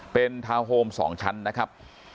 เป็นทาวน์โฮม๒ชั้นนะครับ